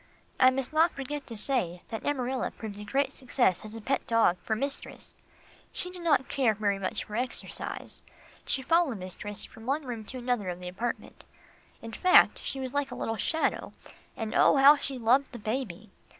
I must not forget to say that Amarilla proved a great success as a pet dog for mistress. She did not care for very much exercise. She followed mistress from one room to another of the apartment in fact, she was like a little shadow, and oh! how she loved the baby.